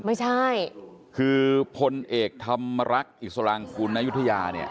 ไม่ใช่คือพลเอกธรรมรักษ์อิสรังคุณนายุธยาเนี่ย